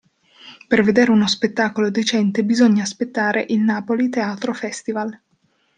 Per vedere uno spettacolo decente bisogna aspettare il Napoli Teatro Festival.